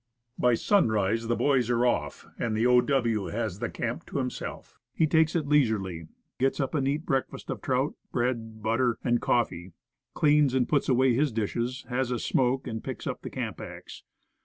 By sunrise the boys are off, and the O. W. has the camp to himself. He takes it leisurely, gets up a neat breakfast of trout, bread, butter, and coffee, yS Woodcraft. cleans and puts away his dishes, has a smoke, and picks up the camp axe.